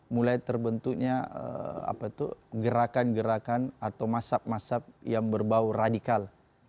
mulai terbentuknya gerakan gerakan atau masyarakat yang berbau radikal